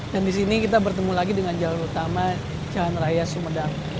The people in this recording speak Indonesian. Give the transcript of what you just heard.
dan di sini kita bertemu lagi dengan jalan utama jalan raya sumedang